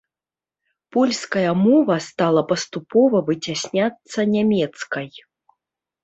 Польская мова стала паступова выцясняцца нямецкай.